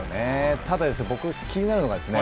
ただ、僕気になるのがですね